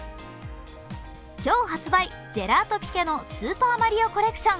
今日発売、ジェラートピケのスーパーマリオコレクション。